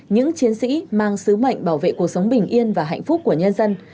những chiến sĩ mang sứ mệnh bảo vệ cuộc sống bình yên và hạnh phúc của nhân dân